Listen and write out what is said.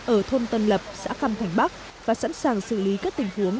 ở thôn tân lập xã khăn thành bắc và sẵn sàng xử lý các tình huống